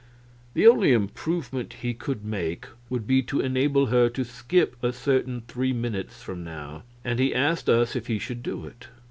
The only improvement he could make would be to enable her to skip a certain three minutes from now; and he asked us if he should do it.